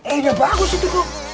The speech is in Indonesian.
eh udah bagus itu kok